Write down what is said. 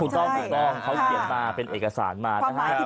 คุณป้องเขาเปลี่ยนมาเป็นเอกสารมา